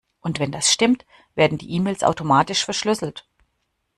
Und wenn das stimmt, werden die E-Mails automatisch verschlüsselt.